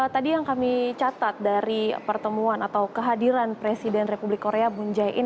tadi yang kami catat dari pertemuan atau kehadiran presiden republik korea bunjai in